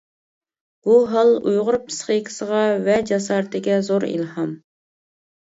بۇ ھال، ئۇيغۇر پىسخىكىسىغا ۋە جاسارىتىگە زور ئىلھام.